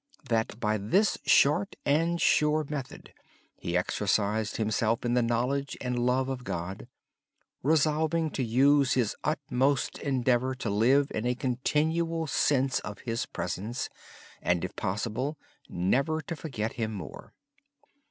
By this short and sure method he exercised himself in the knowledge and love of God, resolving to use his utmost endeavor to live in a continual sense of His Presence, and, if possible, never to forget Him more.